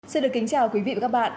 xin được kính chào quý vị và các bạn